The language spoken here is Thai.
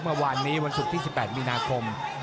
เมื่อวานนี้วันศุกร์ที่๑๘มีนาคม